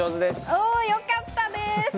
おー、よかったです。